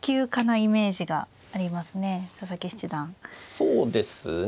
そうですね。